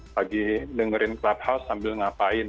lagi dengerin clubhouse sambil ngapain